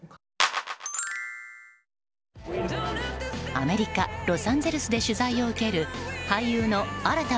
アメリカ・ロサンゼルスで取材を受ける俳優の新田